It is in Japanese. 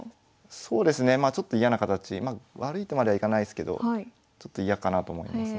そうですねまあちょっと嫌な形。悪いとまではいかないですけどちょっと嫌かなと思いますので。